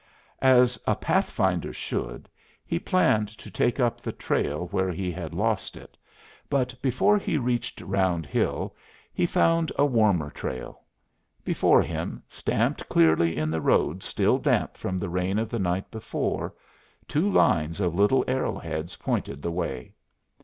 As a "pathfinder" should, he planned to take up the trail where he had lost it, but, before he reached Round Hill, he found a warmer trail. Before him, stamped clearly in the road still damp from the rain of the night before, two lines of little arrow heads pointed the way.